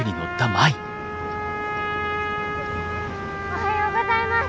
おはようございます。